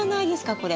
これ。